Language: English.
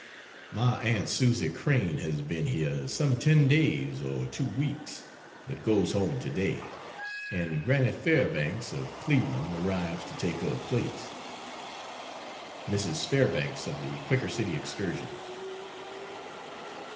My aunt Susie Crane has been here some ten days or two weeks, but goes home today, and Granny Fairbanks of Cleveland arrives to take her place. [Mrs. Fairbanks, of the Quaker City excursion.